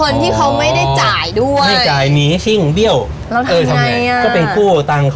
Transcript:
เงี้ยนหนี้ก็สามแสนดั้ง